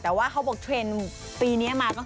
วาวปากเขาบอกเทรนด์ปีนี้มา